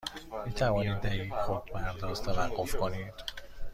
می توانید در یک خودپرداز توقف کنید؟